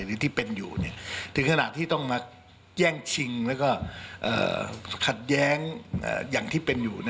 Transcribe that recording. หรือที่เป็นอยู่ถึงขณะที่ต้องมาแย่งชิงแล้วก็ขัดแย้งอย่างที่เป็นอยู่